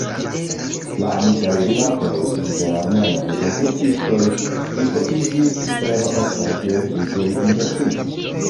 La amikaj rilatoj inter armenoj kaj krucistoj plifortiĝis per oftaj geedziĝoj inter si.